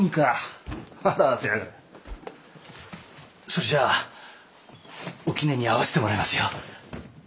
それじゃあおきねに会わせてもらいますよ。